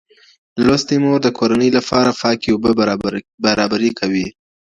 لوستې مور د کورنۍ له پاره پاکي اوبه برابري کوي.